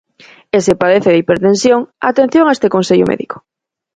E se padece de hipertensión, atención a este consello médico.